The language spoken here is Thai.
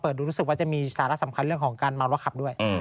ดูรู้สึกว่าจะมีสาระสำคัญเรื่องของการเมาแล้วขับด้วย